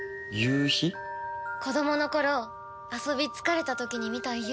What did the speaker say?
子供の頃遊び疲れた時に見た夕日。